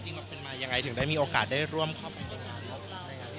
มันเป็นมายังไงถึงได้มีโอกาสได้ร่วมเข้าไปในศาล